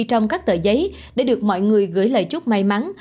trong các tờ giấy để được mọi người gửi lời chúc may mắn